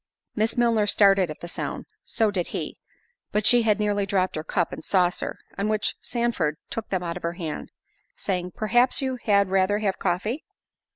Miss Milner started at the sound—so did he—but she had nearly dropped her cup and saucer; on which Sandford took them out of her hand, saying, "Perhaps you had rather have coffee?"